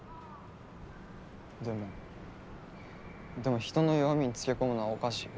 でもでも人の弱みにつけこむのはおかしい。